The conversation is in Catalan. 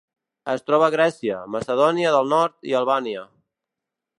Es troba a Grècia, Macedònia del Nord i Albània.